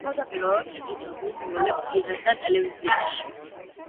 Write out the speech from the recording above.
თავდაპირველად ეპიზოდურ როლებს იღებდა ტელევიზიაში.